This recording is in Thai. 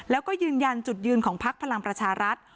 แล้วก็ยืนยันจุดยืนของพักพลังประชารัฐ